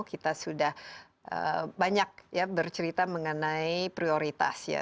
kita sudah banyak bercerita mengenai prioritas